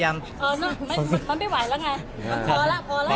อันนี้อันนี้แม่๓